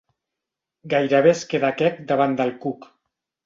Gairebé es queda quec davant del cuc.